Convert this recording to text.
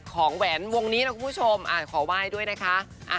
ของแหวนวงนี้นะคุณผู้ชมอ่าขอว่าให้ด้วยนะคะอ่า